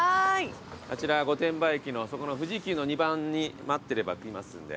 あちら御殿場駅の富士急の２番に待ってれば来ますんで。